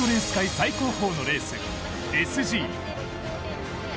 最高峰のレース、ＳＧ。